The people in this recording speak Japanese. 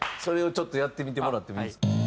それをちょっとやってみてもらってもいいですか。